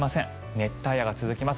熱帯夜が続きます。